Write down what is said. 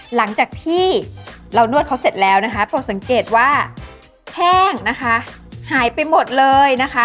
หลังจากที่เรานวดเขาเสร็จแล้วผมสังเกตว่าแห้งหายไปหมดเลย